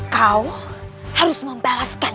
kau harus membalaskan